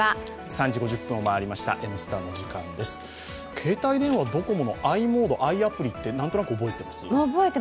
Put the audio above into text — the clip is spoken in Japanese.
携帯電話、ドコモのｉ−ｍｏｄｅ、ｉアプリ、なんとなく覚えてます？